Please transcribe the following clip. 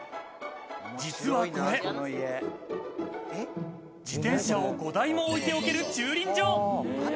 実はこれ、自転車を５台も置いておける駐輪場。